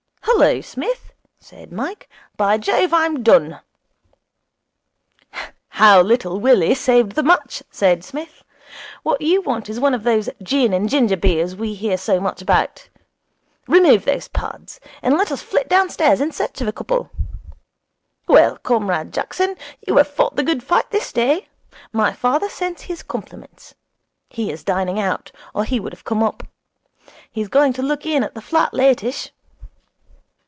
'Hullo, Smith,' said Mike, 'By Jove! I'm done.' '"How Little Willie Saved the Match,"' said Psmith. 'What you want is one of those gin and ginger beers we hear so much about. Remove those pads, and let us flit downstairs in search of a couple. Well, Comrade Jackson, you have fought the good fight this day. My father sends his compliments. He is dining out, or he would have come up. He is going to look in at the flat latish.'